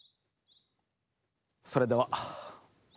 それでは。